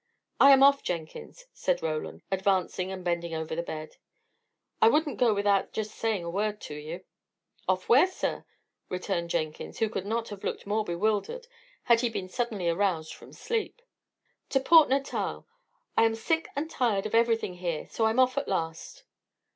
"I am off, Jenkins," said Roland, advancing and bending over the bed. "I wouldn't go without just saying a word to you." "Off where, sir?" returned Jenkins, who could not have looked more bewildered had he been suddenly aroused from sleep. "To Port Natal. I am sick and tired of everything here, so I'm off at last."